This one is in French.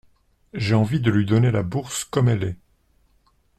J’ai envie de lui donner la bourse comme elle est.